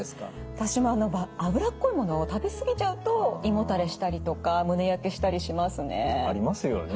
私も脂っこいものを食べ過ぎちゃうと胃もたれしたりとか胸焼けしたりしますね。